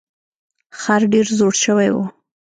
خر ډیر زوړ شوی و.